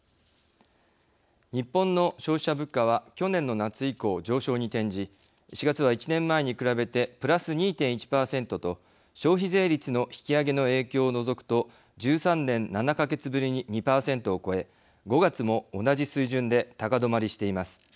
日本の消費者物価は去年の夏以降、上昇に転じ４月は１年前に比べてプラス２．１％と消費税率の引き上げの影響を除くと１３年７か月ぶりに２％を超え５月も同じ水準で高止まりしています。